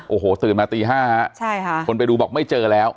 โอ้โหตื่นมาตี๕ฮะใช่ค่ะคนไปดูบอกไม่เจอแล้ว